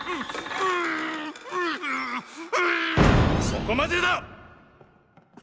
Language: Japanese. そこまでだ！